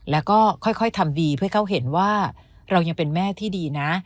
แล้วก็ค่อยทำดีเพื่อให้เขาเห็นว่าเรายังเป็นแม่ที่ดีนะ